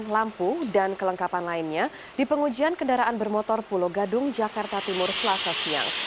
lampu dan kelengkapan lainnya di pengujian kendaraan bermotor pulau gadung jakarta timur selasa siang